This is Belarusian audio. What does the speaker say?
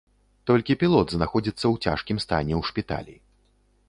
Толькі пілот знаходзіцца ў цяжкім стане ў шпіталі.